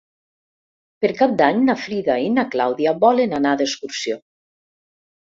Per Cap d'Any na Frida i na Clàudia volen anar d'excursió.